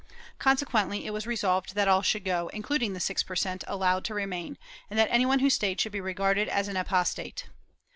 Consequently it was resolved that all should go, including the six per cent, allowed to remain, and that any one who stayed should be regarded as an apostate.